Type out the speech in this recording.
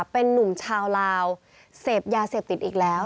เป็นนุ่มชาวลาวเสพยาเสพติดอีกแล้ว